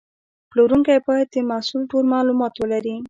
پلورونکی باید د محصول ټول معلومات ولري.